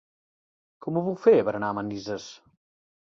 Com ho puc fer per anar a Manises?